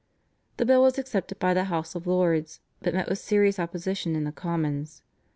The bill was accepted by the House of Lords, but met with serious opposition in the Commons.